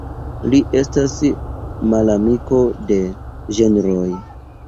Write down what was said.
Li estas malamiko de ĝenroj.